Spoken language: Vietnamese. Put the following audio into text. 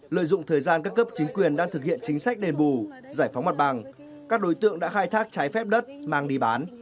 lợi dụng thời gian các cấp chính quyền đang thực hiện chính sách đền bù giải phóng mặt bằng các đối tượng đã khai thác trái phép đất mang đi bán